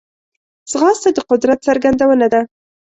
ځغاسته د قدرت څرګندونه ده